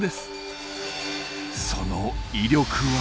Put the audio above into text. その威力は。